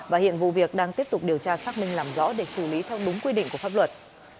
và hiện vụ việc đang tiếp tục điều tra xác minh làm rõ để xử lý theo đúng quy định của pháp luật